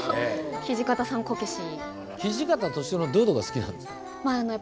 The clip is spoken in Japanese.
土方歳三のどういうとこが好きなんですか？